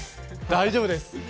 大丈夫です。